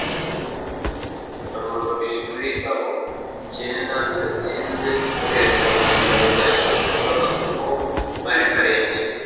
Babiri muri abo icyenda bidatinze boherejwe ku bitaro bya Kibagabaga kuko bari barembye